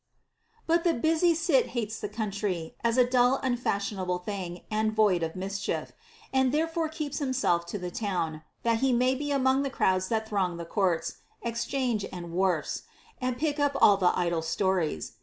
8. But the busy cit hates the country, as a dull unfash ionable thing, and void of mischief; and therefore keeps himself to the town, that he may be among the crowds that throng the courts, exchange, and wharfs, and pick up all the idle stories.